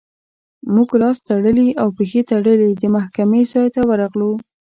موږ لاس تړلي او پښې تړلي د محکمې ځای ته ورغلو.